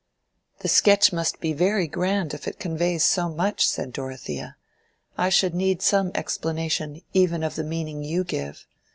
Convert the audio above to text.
"The sketch must be very grand, if it conveys so much," said Dorothea. "I should need some explanation even of the meaning you give.